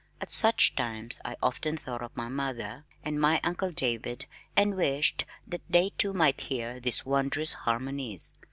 At such times I often thought of my mother, and my uncle David and wished that they too might hear these wondrous harmonies.